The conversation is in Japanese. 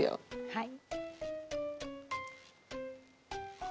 はい。